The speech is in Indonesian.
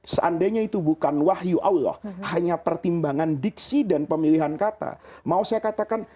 seandainya itu bukan wahyu allah hanya pertimbangan diksi dan pemilihan kata mau saya katakan